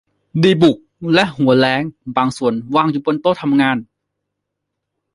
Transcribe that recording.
ดีบุกและหัวแร้งบางส่วนวางอยู่บนโต๊ะทำงาน